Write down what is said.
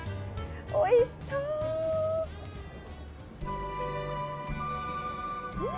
おいしそう。